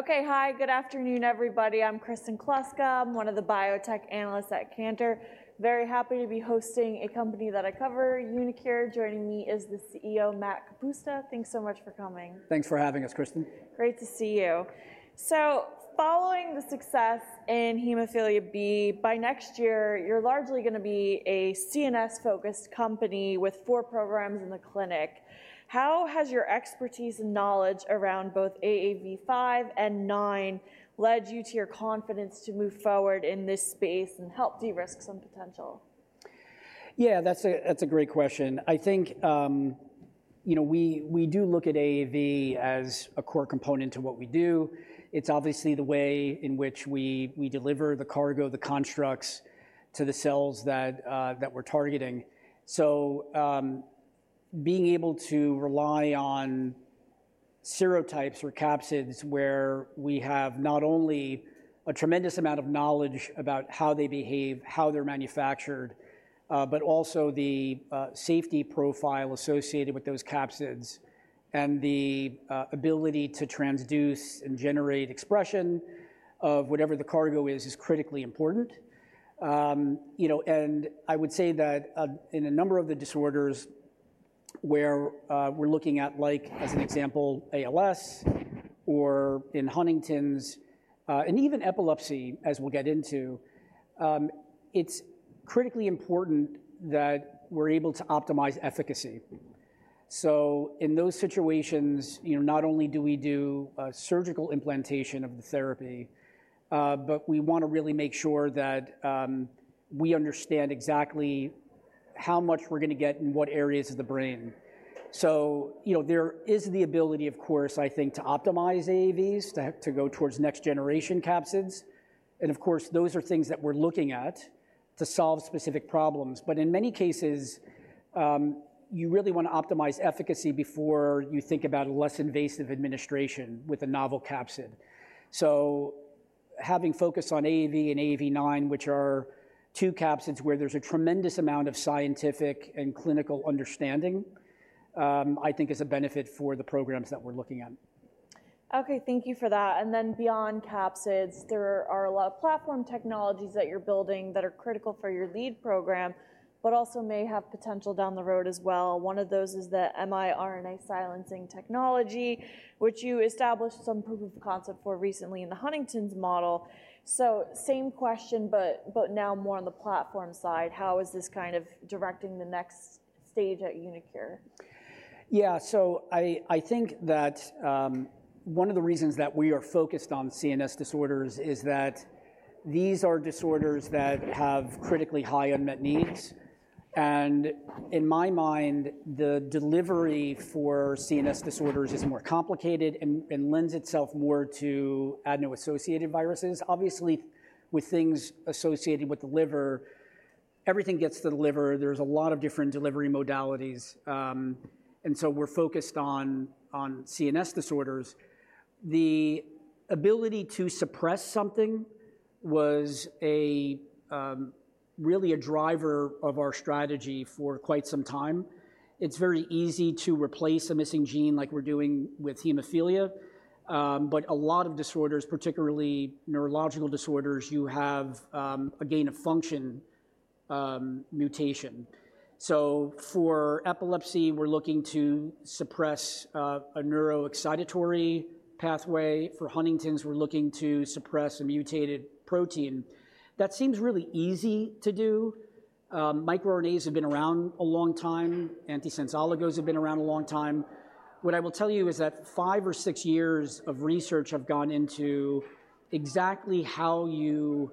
Okay. Hi, good afternoon, everybody. I'm Kristen Kluska. I'm one of the biotech analysts at Cantor. Very happy to be hosting a company that I cover, uniQure. Joining me is the CEO, Matt Kapusta. Thanks so much for coming. Thanks for having us, Kristen. Great to see you. So following the success in hemophilia B, by next year, you're largely gonna be a CNS-focused company with four programs in the clinic. How has your expertise and knowledge around both AAV5 and AAV9 led you to your confidence to move forward in this space and help de-risk some potential? Yeah, that's a, that's a great question. I think, you know, we, we do look at AAV as a core component to what we do. It's obviously the way in which we, we deliver the cargo, the constructs, to the cells that, that we're targeting. So, being able to rely on serotypes or capsids, where we have not only a tremendous amount of knowledge about how they behave, how they're manufactured, but also the, safety profile associated with those capsids, and the, ability to transduce and generate expression of whatever the cargo is, is critically important. You know, and I would say that, in a number of the disorders where, we're looking at, like, as an example, ALS or in Huntington's, and even epilepsy, as we'll get into, it's critically important that we're able to optimize efficacy. So in those situations, you know, not only do we do surgical implantation of the therapy, but we want to really make sure that we understand exactly how much we're gonna get in what areas of the brain. So, you know, there is the ability, of course, I think, to optimize AAVs, to go towards next generation capsids, and of course, those are things that we're looking at to solve specific problems. But in many cases, you really want to optimize efficacy before you think about a less invasive administration with a novel capsid. So having focused on AAV and AAV9, which are two capsids where there's a tremendous amount of scientific and clinical understanding, I think is a benefit for the programs that we're looking at. Okay, thank you for that. And then beyond capsids, there are a lot of platform technologies that you're building that are critical for your lead program, but also may have potential down the road as well. One of those is the miRNA silencing technology, which you established some proof of concept for recently in the Huntington's model. So same question, but now more on the platform side, how is this kind of directing the next stage at uniQure? Yeah. So I think that one of the reasons that we are focused on CNS disorders is that these are disorders that have critically high unmet needs, and in my mind, the delivery for CNS disorders is more complicated and lends itself more to adeno-associated viruses. Obviously, with things associated with the liver, everything gets to the liver. There's a lot of different delivery modalities. And so we're focused on CNS disorders. The ability to suppress something was really a driver of our strategy for quite some time. It's very easy to replace a missing gene like we're doing with hemophilia, but a lot of disorders, particularly neurological disorders, you have a gain-of-function mutation. So for epilepsy, we're looking to suppress a neuroexcitatory pathway. For Huntington's, we're looking to suppress a mutated protein. That seems really easy to do. MicroRNAs have been around a long time. Antisense oligos have been around a long time. What I will tell you is that five or six years of research have gone into exactly how you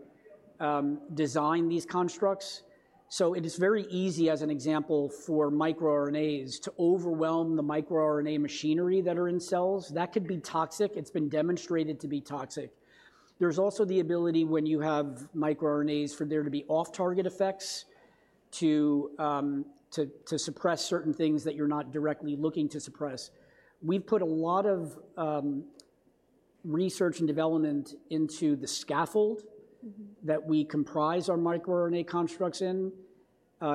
design these constructs. So it is very easy, as an example, for microRNAs to overwhelm the microRNA machinery that are in cells. That could be toxic. It's been demonstrated to be toxic. There's also the ability, when you have microRNAs, for there to be off-target effects, to suppress certain things that you're not directly looking to suppress. We've put a lot of research and development into the scaffold that we comprise our microRNA constructs in,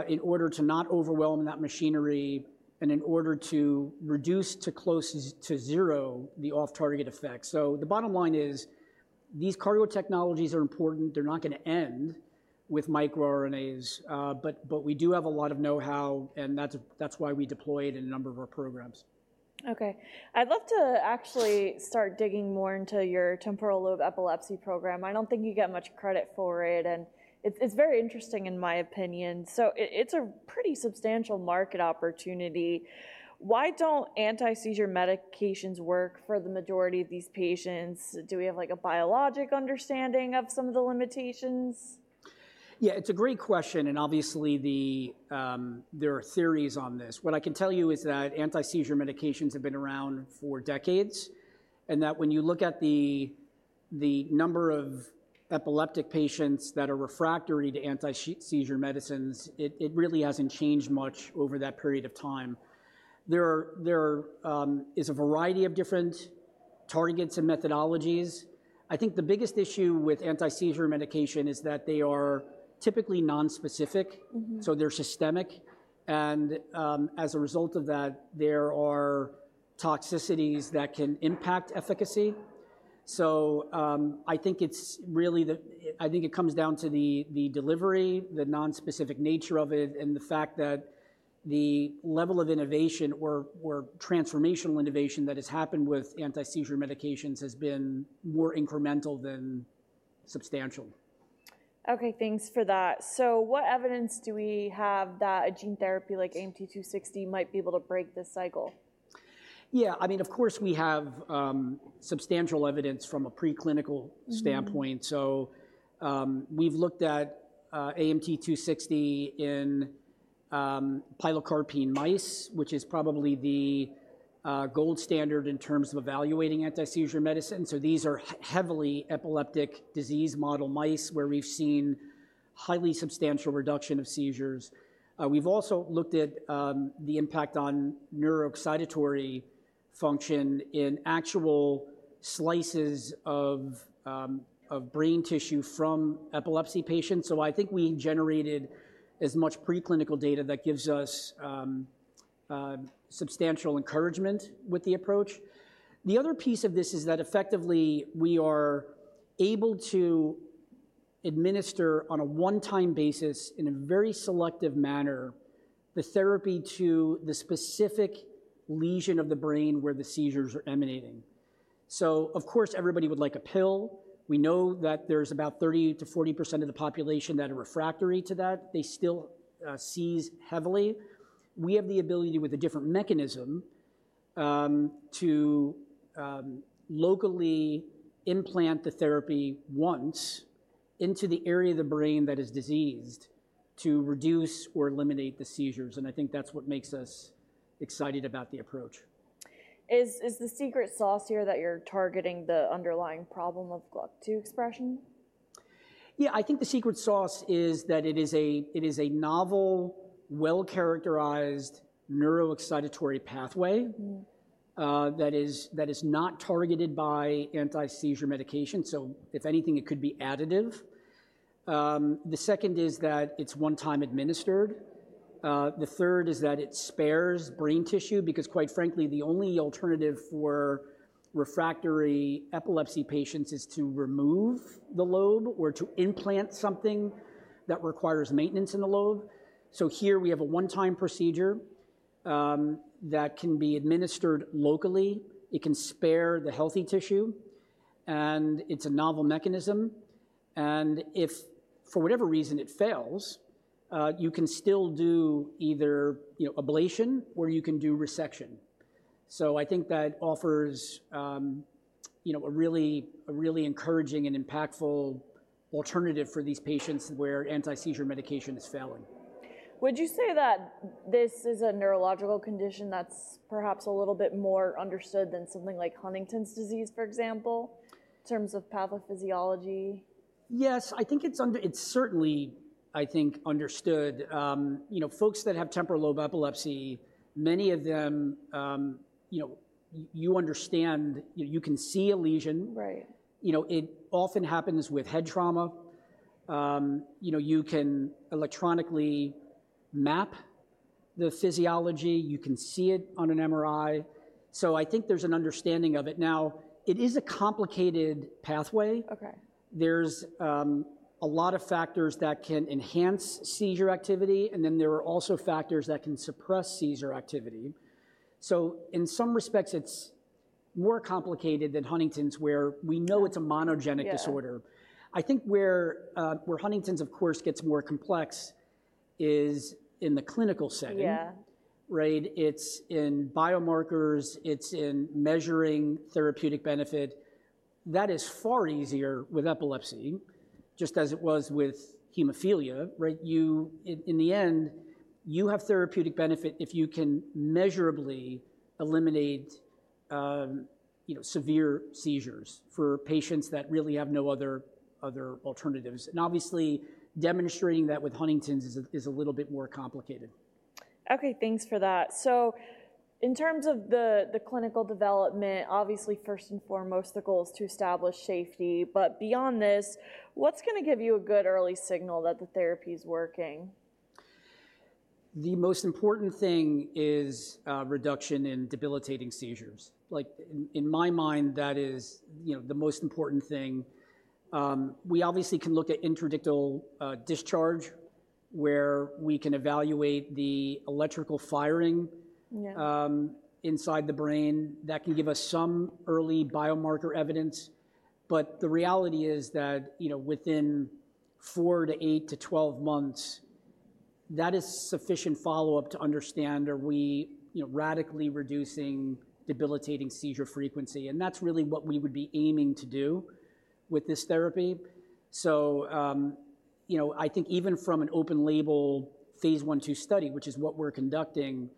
in order to not overwhelm that machinery and in order to reduce to close to zero the off-target effects. So the bottom line is, these cargo technologies are important. They're not gonna end with microRNAs, but we do have a lot of know-how, and that's why we deploy it in a number of our programs. Okay. I'd love to actually start digging more into your temporal lobe epilepsy program. I don't think you get much credit for it, and it's very interesting, in my opinion. So it's a pretty substantial market opportunity. Why don't anti-seizure medications work for the majority of these patients? Do we have, like, a biologic understanding of some of the limitations? Yeah, it's a great question, and obviously, the, there are theories on this. What I can tell you is that anti-seizure medications have been around for decades, and that when you look at the number of epileptic patients that are refractory to anti-seizure medicines, it really hasn't changed much over that period of time. There is a variety of different targets and methodologies. I think the biggest issue with anti-seizure medication is that they are typically non-specific. Mm-hmm. So they're systemic, and as a result of that, there are toxicities that can impact efficacy. I think it comes down to the delivery, the non-specific nature of it, and the fact that the level of innovation or transformational innovation that has happened with anti-seizure medications has been more incremental than substantial. Okay, thanks for that. So what evidence do we have that a gene therapy like AMT-260 might be able to break this cycle? Yeah, I mean, of course, we have substantial evidence from a preclinical standpoint. Mm-hmm. So, we've looked at AMT-260 in pilocarpine mice, which is probably the gold standard in terms of evaluating anti-seizure medicine. So these are heavily epileptic disease model mice, where we've seen highly substantial reduction of seizures. We've also looked at the impact on neuroexcitatory function in actual slices of brain tissue from epilepsy patients. So I think we generated as much preclinical data that gives us substantial encouragement with the approach. The other piece of this is that effectively, we are able to administer, on a one-time basis, in a very selective manner, the therapy to the specific lesion of the brain where the seizures are emanating. So of course, everybody would like a pill. We know that there's about 30%-40% of the population that are refractory to that. They still seize heavily. We have the ability, with a different mechanism, to locally implant the therapy once into the area of the brain that is diseased, to reduce or eliminate the seizures, and I think that's what makes us excited about the approach. Is the secret sauce here that you're targeting the underlying problem of GluK2 expression? Yeah, I think the secret sauce is that it is a, it is a novel, well-characterized neuroexcitatory pathway- Mm. That is not targeted by anti-seizure medication, so if anything, it could be additive. The second is that it's one time administered. The third is that it spares brain tissue because, quite frankly, the only alternative for refractory epilepsy patients is to remove the lobe or to implant something that requires maintenance in the lobe. So here we have a one-time procedure that can be administered locally. It can spare the healthy tissue, and it's a novel mechanism, and if for whatever reason it fails, you can still do either, you know, ablation, or you can do resection. So I think that offers, you know, a really encouraging and impactful alternative for these patients where anti-seizure medication is failing. Would you say that this is a neurological condition that's perhaps a little bit more understood than something like Huntington's disease, for example, in terms of pathophysiology? Yes, I think it's under... It's certainly, I think, understood. You know, folks that have temporal lobe epilepsy, many of them, you know, you understand, you can see a lesion. Right. You know, it often happens with head trauma. You know, you can electronically map the physiology. You can see it on an MRI. So I think there's an understanding of it. Now, it is a complicated pathway. Okay. There's a lot of factors that can enhance seizure activity, and then there are also factors that can suppress seizure activity. So in some respects, it's more complicated than Huntington's, where we know- Yeah It's a monogenic disorder. Yeah. I think where Huntington's, of course, gets more complex is in the clinical setting. Yeah. Right? It's in biomarkers. It's in measuring therapeutic benefit. That is far easier with epilepsy, just as it was with hemophilia, right? In the end, you have therapeutic benefit if you can measurably eliminate, you know, severe seizures for patients that really have no other alternatives, and obviously, demonstrating that with Huntington's is a little bit more complicated. Okay, thanks for that. So in terms of the clinical development, obviously, first and foremost, the goal is to establish safety, but beyond this, what's gonna give you a good early signal that the therapy's working? The most important thing is reduction in debilitating seizures. Like, in my mind, that is, you know, the most important thing. We obviously can look at interictal discharge, where we can evaluate the electrical firing- Yeah Inside the brain. That can give us some early biomarker evidence, but the reality is that, you know, within four to eight to twelve months, that is sufficient follow-up to understand, are we, you know, radically reducing debilitating seizure frequency? And that's really what we would be aiming to do with this therapy. So, you know, I think even from an open-label phase I/II study, which is what we're conducting,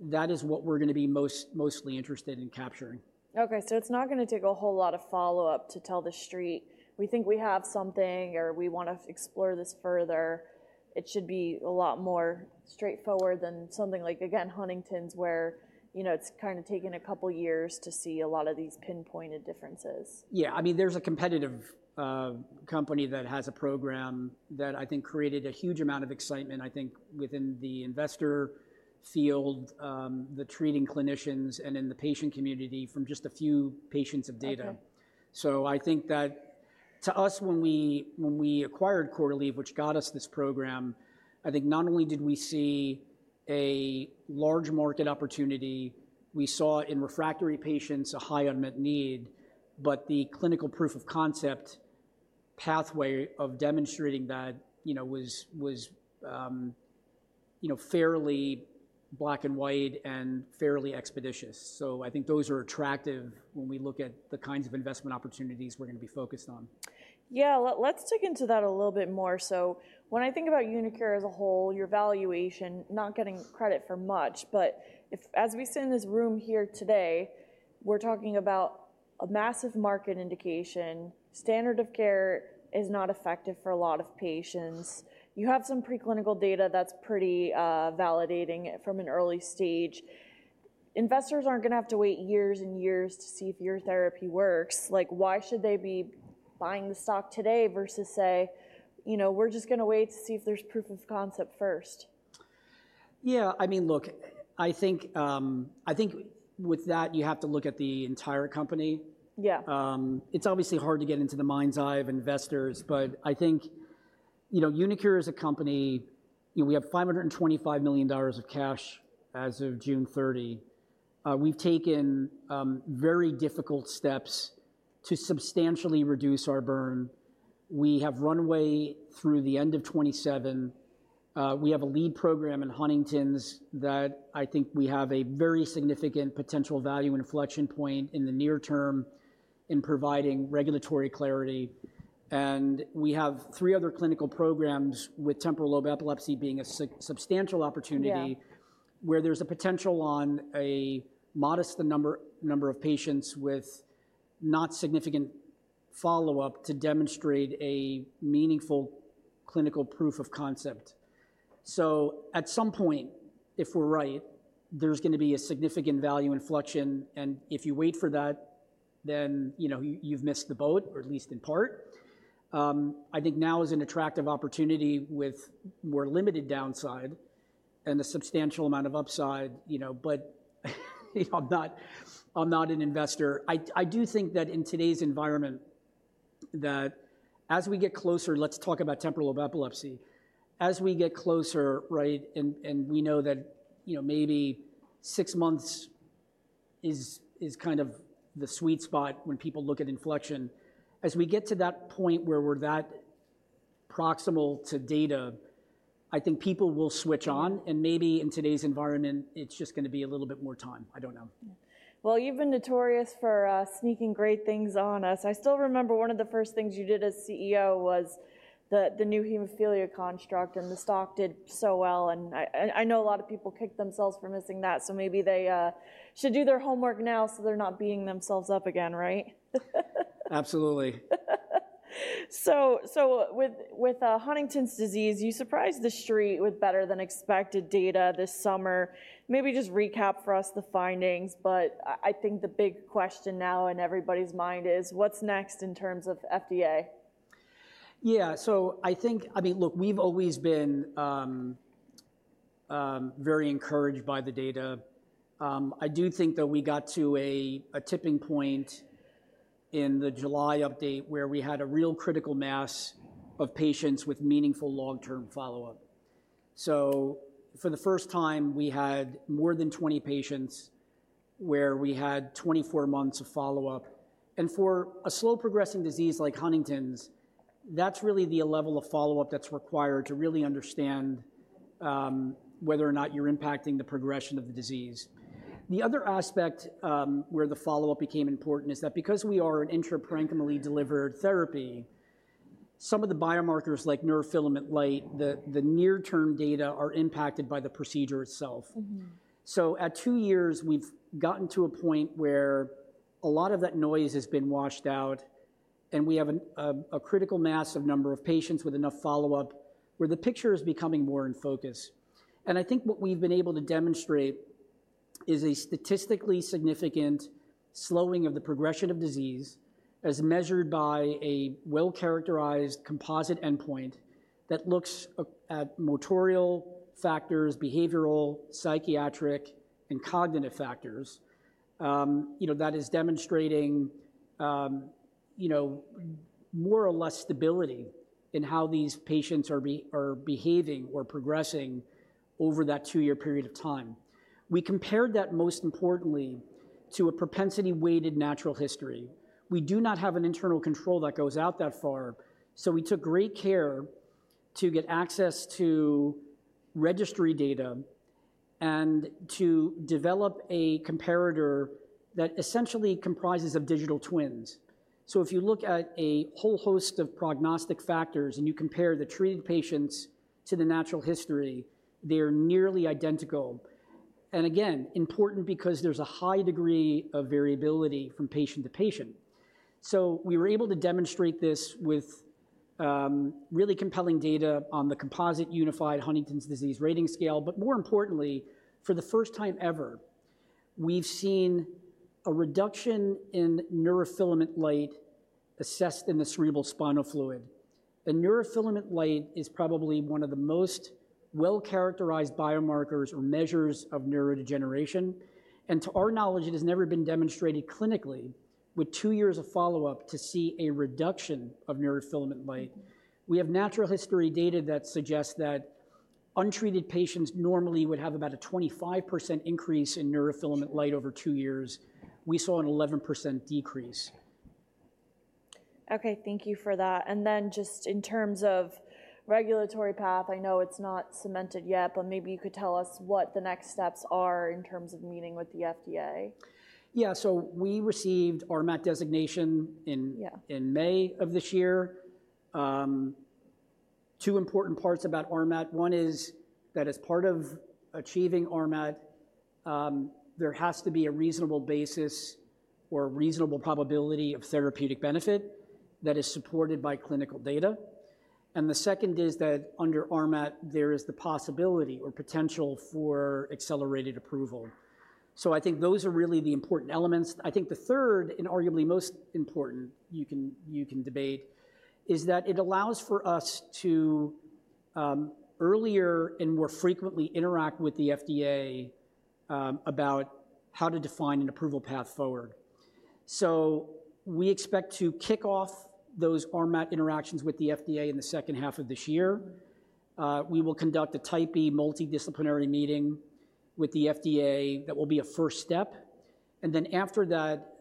that is what we're going to be mostly interested in capturing. Okay, so it's not going to take a whole lot of follow-up to tell the Street, "We think we have something," or, "We want to explore this further." It should be a lot more straightforward than something like, again, Huntington's, where, you know, it's kind of taken a couple of years to see a lot of these pinpointed differences. Yeah. I mean, there's a competitive company that has a program that I think created a huge amount of excitement, I think, within the investor field, the treating clinicians, and in the patient community from just a few patients of data. Okay. So I think that to us, when we acquired Corlieve, which got us this program, I think not only did we see a large market opportunity, we saw in refractory patients a high unmet need, but the clinical proof of concept pathway of demonstrating that, you know, was, you know, fairly black and white and fairly expeditious. So I think those are attractive when we look at the kinds of investment opportunities we're going to be focused on. Yeah. Let's dig into that a little bit more. So when I think about uniQure as a whole, your valuation not getting credit for much, but if, as we sit in this room here today, we're talking about a massive market indication. Standard of care is not effective for a lot of patients. You have some preclinical data that's pretty validating from an early stage. Investors aren't going to have to wait years and years to see if your therapy works. Like, why should they be buying the stock today versus, say, "You know, we're just going to wait to see if there's proof of concept first? Yeah, I mean, look, I think, I think with that, you have to look at the entire company. Yeah. It's obviously hard to get into the mind's eye of investors, but I think, you know, uniQure as a company, you know, we have $525 million of cash as of June 30. We've taken very difficult steps to substantially reduce our burn. We have runway through the end of 2027. We have a lead program in Huntington's that I think we have a very significant potential value inflection point in the near term in providing regulatory clarity. And we have three other clinical programs, with temporal lobe epilepsy being a substantial opportunity- Yeah Where there's a potential on a modest, the number of patients with not significant follow-up to demonstrate a meaningful clinical proof of concept. So at some point, if we're right, there's going to be a significant value inflection, and if you wait for that, then, you know, you you've missed the boat, or at least in part. I think now is an attractive opportunity with more limited downside and a substantial amount of upside, you know, but I'm not, I'm not an investor. I do think that in today's environment, that as we get closer. Let's talk about temporal lobe epilepsy. As we get closer and we know that, you know, maybe six months is kind of the sweet spot when people look at inflection. As we get to that point where we're that proximal to data, I think people will switch on, and maybe in today's environment, it's just going to be a little bit more time. I don't know. You've been notorious for sneaking great things on us. I still remember one of the first things you did as CEO was the new hemophilia construct, and the stock did so well, and I know a lot of people kicked themselves for missing that. Maybe they should do their homework now, so they're not beating themselves up again, right? Absolutely. So with Huntington's disease, you surprised the Street with better-than-expected data this summer. Maybe just recap for us the findings, but I think the big question now in everybody's mind is: What's next in terms of FDA? Yeah. So I think, I mean, look, we've always been very encouraged by the data. I do think, though, we got to a tipping point in the July update, where we had a real critical mass of patients with meaningful long-term follow-up. So for the first time, we had more than 20 patients where we had twenty-four months of follow-up, and for a slow-progressing disease like Huntington's, that's really the level of follow-up that's required to really understand whether or not you're impacting the progression of the disease. The other aspect where the follow-up became important is that because we are an intraparenchymally delivered therapy, some of the biomarkers, like neurofilament light, the near-term data are impacted by the procedure itself. Mm-hmm. At two years, we've gotten to a point where a lot of that noise has been washed out, and we have a critical mass of number of patients with enough follow-up, where the picture is becoming more in focus. I think what we've been able to demonstrate is a statistically significant slowing of the progression of disease, as measured by a well-characterized composite endpoint that looks at motor factors, behavioral, psychiatric, and cognitive factors. You know, that is demonstrating more or less stability in how these patients are behaving or progressing over that two-year period of time. We compared that, most importantly, to a propensity-weighted natural history. We do not have an internal control that goes out that far, so we took great care to get access to registry data and to develop a comparator that essentially comprises of digital twins. So if you look at a whole host of prognostic factors and you compare the treated patients to the natural history, they are nearly identical. And again, important because there's a high degree of variability from patient to patient. So we were able to demonstrate this with really compelling data on the Composite Unified Huntington's Disease Rating Scale. But more importantly, for the first time ever, we've seen a reduction in neurofilament light assessed in the cerebrospinal fluid. The neurofilament light is probably one of the most well-characterized biomarkers or measures of neurodegeneration, and to our knowledge, it has never been demonstrated clinically, with two years of follow-up, to see a reduction of neurofilament light. We have natural history data that suggests that untreated patients normally would have about a 25% increase in neurofilament light over two years. We saw an 11% decrease. Okay, thank you for that. And then just in terms of regulatory path, I know it's not cemented yet, but maybe you could tell us what the next steps are in terms of meeting with the FDA? Yeah, so we received RMAT designation in- Yeah in May of this year. Two important parts about RMAT. One is that as part of achieving RMAT, there has to be a reasonable basis or a reasonable probability of therapeutic benefit that is supported by clinical data, and the second is that under RMAT, there is the possibility or potential for accelerated approval. So I think those are really the important elements. I think the third, and arguably most important, you can debate, is that it allows for us to earlier and more frequently interact with the FDA about how to define an approval path forward. So we expect to kick off those RMAT interactions with the FDA in the H2 of this year. We will conduct a Type B multidisciplinary meeting with the FDA. That will be a first step, and then after that,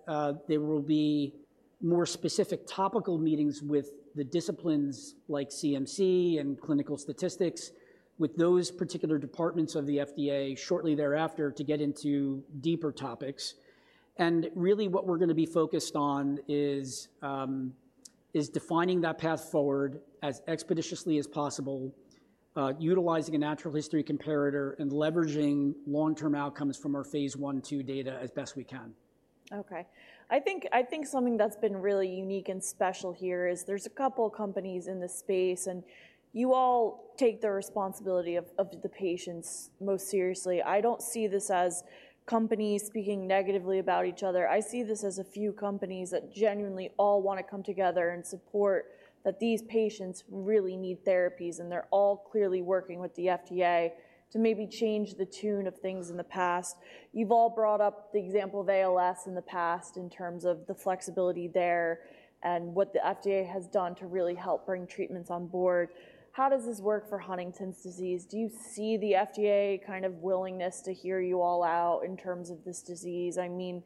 there will be more specific topical meetings with the disciplines like CMC and Clinical Statistics, with those particular departments of the FDA shortly thereafter to get into deeper topics, and really, what we're gonna be focused on is defining that path forward as expeditiously as possible, utilizing a natural history comparator and leveraging long-term outcomes from our phase I/II data as best we can. Okay. I think something that's been really unique and special here is there's a couple companies in this space, and you all take the responsibility of the patients most seriously. I don't see this as companies speaking negatively about each other. I see this as a few companies that genuinely all wanna come together and support, that these patients really need therapies, and they're all clearly working with the FDA to maybe change the tune of things in the past. You've all brought up the example of ALS in the past in terms of the flexibility there and what the FDA has done to really help bring treatments on board. How does this work for Huntington's disease? Do you see the FDA kind of willingness to hear you all out in terms of this disease? I mean,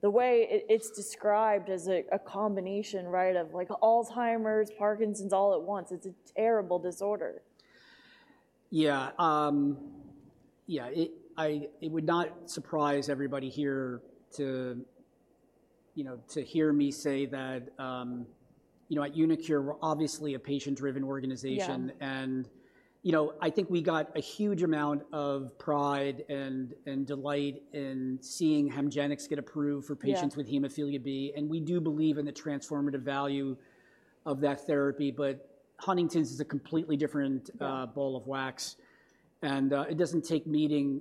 the way it, it's described as a combination, right, of like Alzheimer's, Parkinson's all at once. It's a terrible disorder. It would not surprise everybody here to, you know, to hear me say that, you know, at uniQure, we're obviously a patient-driven organization. Yeah. You know, I think we got a huge amount of pride and delight in seeing Hemgenix get approved for patients. Yeah With hemophilia B, and we do believe in the transformative value of that therapy, but Huntington's is a completely different- Yeah Ball of wax and it doesn't take meeting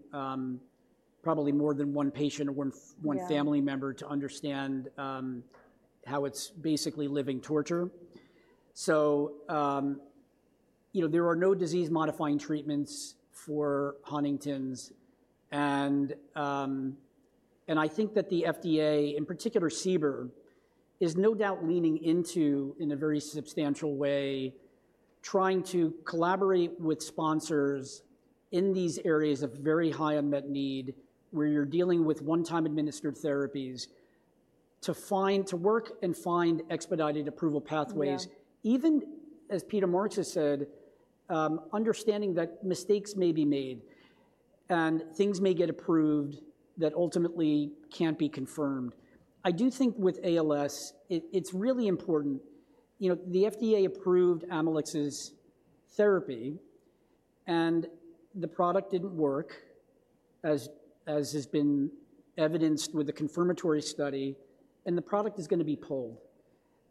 probably more than one patient. Yeah One family member to understand, how it's basically living torture. So, you know, there are no disease-modifying treatments for Huntington's, and I think that the FDA, in particular, CBER, is no doubt leaning into, in a very substantial way, trying to collaborate with sponsors in these areas of very high unmet need, where you're dealing with one-time administered therapies, to find to work and find expedited approval pathways. Yeah. Even as Peter Marks has said, understanding that mistakes may be made, and things may get approved that ultimately can't be confirmed. I do think with ALS, it's really important. You know, the FDA approved Amylyx's therapy, and the product didn't work, as has been evidenced with a confirmatory study, and the product is gonna be pulled,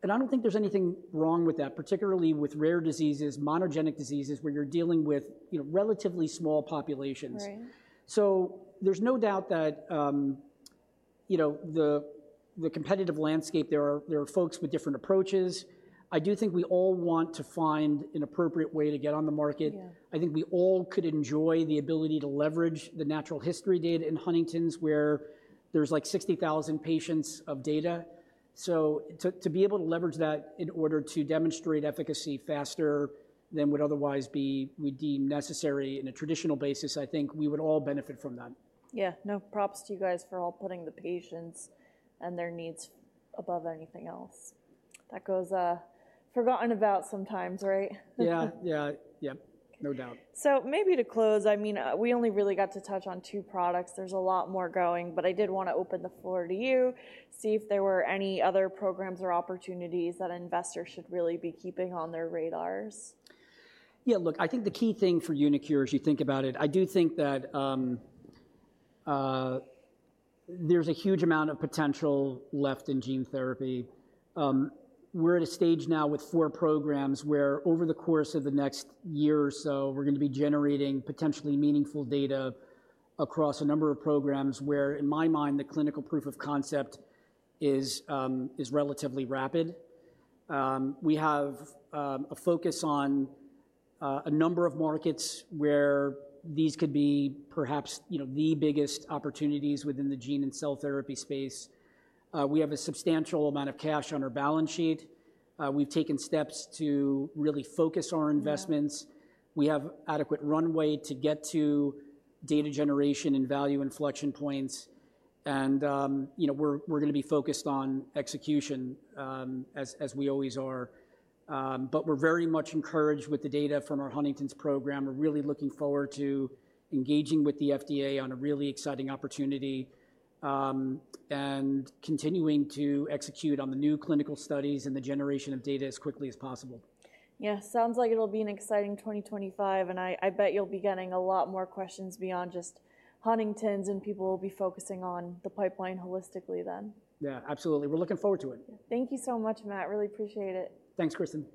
and I don't think there's anything wrong with that, particularly with rare diseases, monogenic diseases, where you're dealing with, you know, relatively small populations. Right. So there's no doubt that, you know, the competitive landscape, there are folks with different approaches. I do think we all want to find an appropriate way to get on the market. Yeah. I think we all could enjoy the ability to leverage the natural history data in Huntington's, where there's, like, sixty thousand patients of data, so to be able to leverage that in order to demonstrate efficacy faster than would otherwise be we deem necessary in a traditional basis. I think we would all benefit from that. Yeah. No, props to you guys for all putting the patients and their needs above anything else. That goes forgotten about sometimes, right? Yeah, yeah, yeah. No doubt. So maybe to close, I mean, we only really got to touch on two products. There's a lot more going, but I did wanna open the floor to you, see if there were any other programs or opportunities that investors should really be keeping on their radars. Yeah, look, I think the key thing for uniQure, as you think about it, I do think that there's a huge amount of potential left in gene therapy. We're at a stage now with four programs, where over the course of the next year or so, we're gonna be generating potentially meaningful data across a number of programs, where, in my mind, the clinical proof of concept is relatively rapid. We have a focus on a number of markets where these could be perhaps, you know, the biggest opportunities within the gene and cell therapy space. We have a substantial amount of cash on our balance sheet. We've taken steps to really focus our investments. Yeah. We have adequate runway to get to data generation and value inflection points, and, you know, we're gonna be focused on execution, as we always are. But we're very much encouraged with the data from our Huntington's program. We're really looking forward to engaging with the FDA on a really exciting opportunity, and continuing to execute on the new clinical studies and the generation of data as quickly as possible. Yeah. Sounds like it'll be an exciting 2025, and I, I bet you'll be getting a lot more questions beyond just Huntington's, and people will be focusing on the pipeline holistically then. Yeah, absolutely. We're looking forward to it. Thank you so much, Matt. Really appreciate it. Thanks, Kristin.